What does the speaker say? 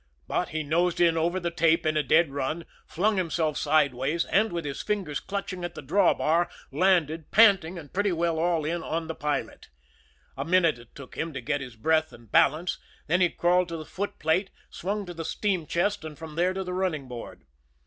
But he nosed in over the tape in a dead heat, flung himself sideways, and, with his fingers clutching at the drawbar, landed, panting and pretty well all in, on the pilot. A minute it took him to get his breath and balance, then he crawled to the footplate, swung to the steam chest and from there to the running board.